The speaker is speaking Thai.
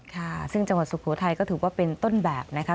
ค่ะซึ่งจังหวัดสุโขทัยก็ถือว่าเป็นต้นแบบนะคะ